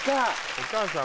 お母さん